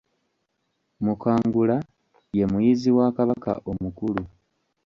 Mukangula ye muyizzi wa Kabaka omukulu.